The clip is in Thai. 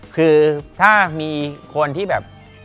คือถ้ามีคนที่แบบ